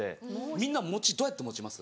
みんな餅どうやって持ちます？